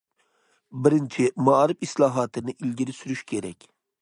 بىرىنچى، مائارىپ ئىسلاھاتىنى ئىلگىرى سۈرۈش كېرەك.